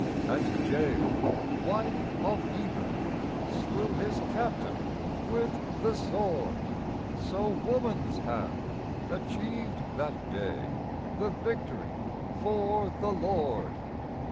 And Jael, wife of Heber, slew his captain with the sword; So woman's hand achieved that day the victory for the Lord.